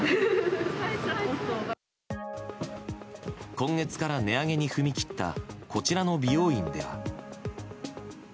今月から値上げに踏み切ったこちらの美容院では。